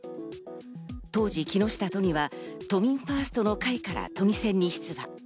当時、木下都議は都民ファーストの会から都議選に出馬。